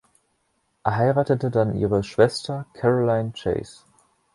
Er heiratete dann ihre Schwester, Caroline Chase.